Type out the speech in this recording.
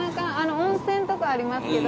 温泉とかありますけど。